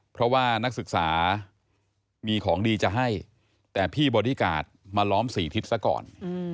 เพราะว่านักศึกษามีของดีจะให้แต่พี่บอดี้การ์ดมาล้อม๔ทิศซะก่อน